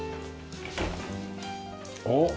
おっ？